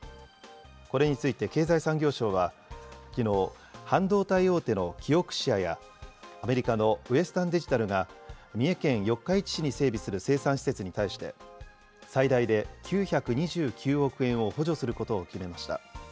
これについて経済産業省はきのう、半導体大手のキオクシアや、アメリカのウエスタンデジタルが、三重県四日市市に整備する生産施設に対して、最大で９２９億円を補助することを決めました。